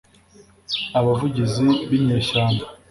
abavugizi b'inyeshyamba